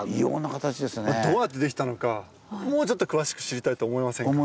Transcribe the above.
どうやって出来たかもうちょっと詳しく知りたいと思いませんか？